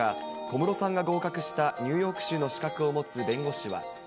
小室さんが合格したニューヨーク州の資格を持つ弁護士は。